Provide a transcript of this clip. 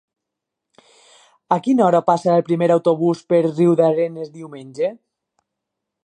A quina hora passa el primer autobús per Riudarenes diumenge?